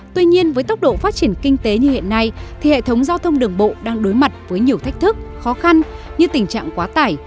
tuy nhiên với tốc độ phát triển kinh tế như hiện nay thì hệ thống giao thông đường bộ đang đối mặt với nhiều thách thức khó khăn như tình trạng quá tải